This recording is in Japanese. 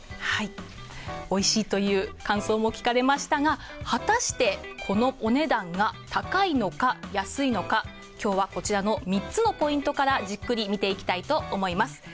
おいしいという感想も聞かれましたが果たして、このお値段が高いのか安いのか今日はこちらの３つのポイントからじっくり見ていきたいと思います。